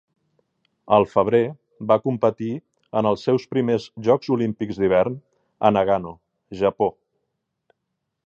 El febrer, va competir en els seus primers Jocs Olímpics d'hivern a Nagano, Japó.